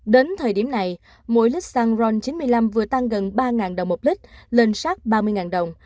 đến thời điểm này mỗi lít xăng ron chín mươi năm vừa tăng gần ba đồng một lít lên sát ba mươi đồng